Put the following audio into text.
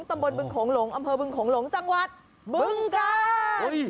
ตำบลบึงโขงหลงอำเภอบึงโขงหลงจังหวัดบึงกาล